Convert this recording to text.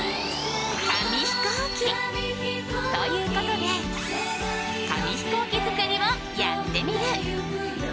紙飛行機！ということで紙飛行機作りを「やってみる。」。